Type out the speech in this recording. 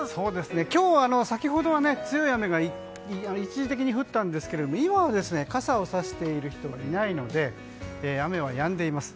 今日は先ほどは強い雨が一時的に降ったんですけど今は傘をさしている人がいないので雨はやんでいます。